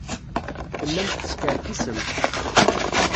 Tellamt teskerkisemt.